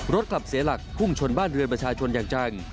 รถกลับเสียหลักพุ่งชนบ้านเรือนประชาชนอย่างจัง